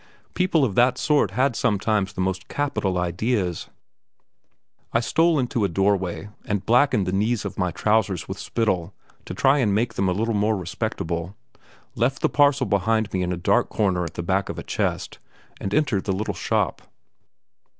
People of that sort had sometimes the most capital ideas. I stole into a doorway and blackened the knees of my trousers with spittle to try and make them look a little respectable, left the parcel behind me in a dark corner at the back of a chest, and entered the little shop.